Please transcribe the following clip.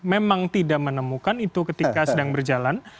memang tidak menemukan itu ketika sedang berjalan